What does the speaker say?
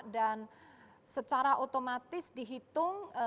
dan secara otomatis dihitung